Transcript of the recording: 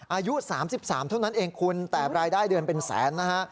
อายุ๓๓เท่านั้นเองคุณแต่รายได้เดือนเป็นแสนนะฮะ